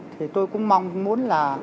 thì tôi cũng mong muốn là